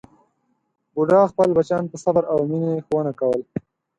بوډا خپل بچیان په صبر او مینې ښوونه کول.